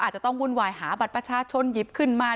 อาจจะต้องวุ่นวายหาบัตรประชาชนหยิบขึ้นมา